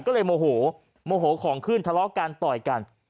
ก็เลยโมโหโมโหของขึ้นทะเลาะกันต่อยกัน